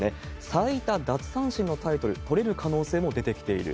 最多奪三振のタイトル、取れる可能性も出てきている。